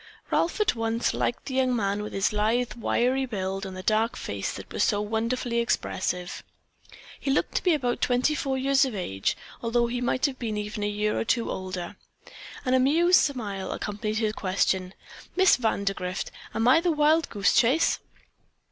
Ralph at once liked the young man with the lithe, wiry build and the dark face that was so wonderfully expressive. He looked to be about twenty four years of age, although he might have been even a year or two older. An amused smile accompanied his question: "Miss Vandergrift, am I the wild goose?"